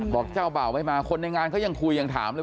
บอกเจ้าบ่าวไม่มาคนในงานเขายังคุยยังถามเลย